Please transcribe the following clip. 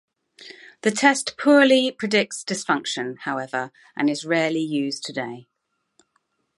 The test poorly predicts dysfunction, however, and is rarely used today.